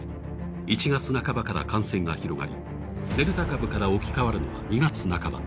１月半ばから感染が広がり、デルタ株から置き換わるのは２月半ば。